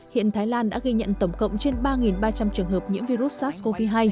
hiện thái lan đã ghi nhận tổng cộng trên ba ba trăm linh trường hợp nhiễm virus sars cov hai